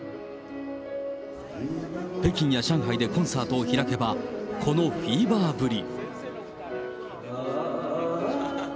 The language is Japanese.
北京や上海でコンサートを開けば、このフィーバーぶり。